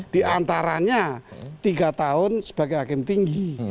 diantaranya tiga tahun sebagai hakim tinggi